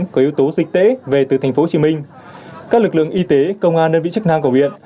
có yếu tố dịch tễ về từ tp hcm các lực lượng y tế công an đơn vị chức năng của huyện